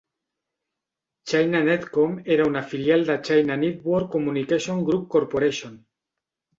China Netcom era una filial de China Network Communications Group Corporation.